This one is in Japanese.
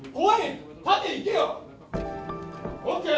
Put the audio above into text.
ＯＫ？